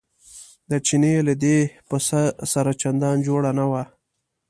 د چیني له دې پسه سره چندان جوړه نه وه.